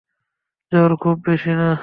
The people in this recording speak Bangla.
জ্বর খুব বেশি না।